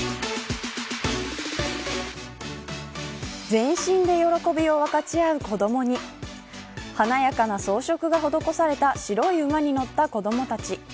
全身で喜びを分かち合う子どもに華やかな装飾が施された白い馬に乗った子どもたち。